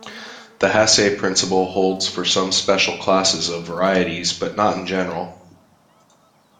The Hasse principle holds for some special classes of varieties, but not in general.